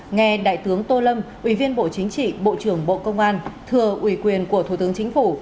nghe đại tướng tô lâm ủy viên bộ chính trị bộ trưởng bộ công an thừa ủy quyền của thủ tướng chính phủ